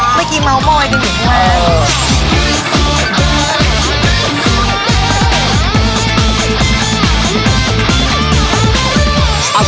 เมื่อกี้เมาท์มอยก็เห็นวาย